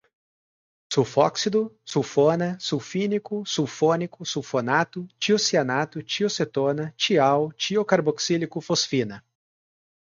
sulfóxido, sulfona, sulfínico, sulfônico, sulfonato, tiocianato, tiocetona, tial, tiocarboxílico, fosfina